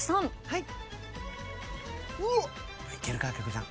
はい。